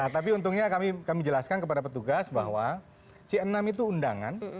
tapi untungnya kami jelaskan kepada petugas bahwa c enam itu undangan